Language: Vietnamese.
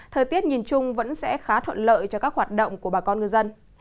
thời tiết nhìn chung vẫn sẽ khá thuận lợi cho các hoạt động của bà con ngư dân